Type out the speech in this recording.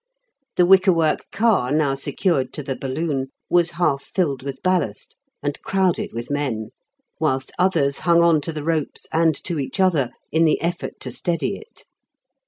The wickerwork car now secured to the balloon was half filled with ballast and crowded with men, whilst others hung on to the ropes and to each other in the effort to steady it.